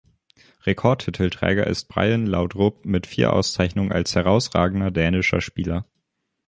Rekordtitelträger ist Brian Laudrup mit vier Auszeichnungen als herausragender dänischer Spieler.